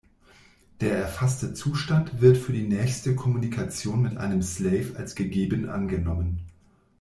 Der erfasste Zustand wird für die nächste Kommunikation mit einem Slave als gegeben angenommen.